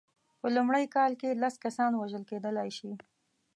په لومړۍ کال کې لس کسان وژل کېدلای شي.